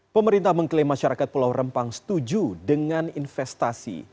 pemerintah mengklaim masyarakat pulau rempang setuju dengan investasi